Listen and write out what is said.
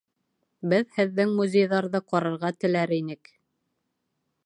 Беҙ һеҙҙең музейҙарҙы ҡарарға теләр инек.